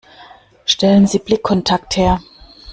Stellen Sie Blickkontakt her.